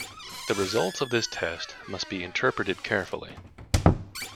The results of this test must be interpreted carefully.